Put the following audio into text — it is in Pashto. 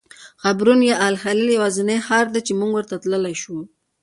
حبرون یا الخلیل یوازینی ښار دی چې موږ ورته تللی شو.